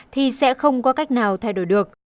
thì sẽ không có cách nào thay đổi được